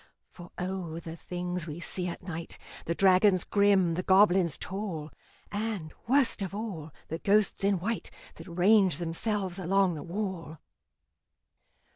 For O! the things we see at night The dragons grim, the goblins tall, And, worst of all, the ghosts in white That range themselves along the wall!